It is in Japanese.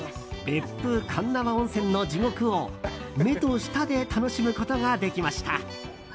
別府・鉄輪温泉の地獄を目と舌で楽しむことができました。